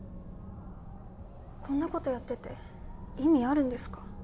こんなことやってて意味あるんですか？